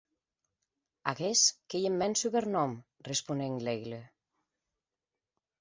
Aguest qu’ei eth mèn subernòm, responec Laigle.